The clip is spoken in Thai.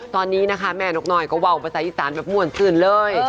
ตอนนี้นะคะแม่นกน้อยก็ว่าอุปสรรค์อีสานแบบม่วนขึ้นเลย